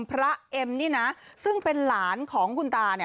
เอ็มนี่นะซึ่งเป็นหลานของคุณตา